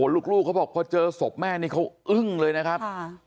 ลูกเขาบอกพอเจอศพแม่นี่เขาอึ้งเลยนะครับ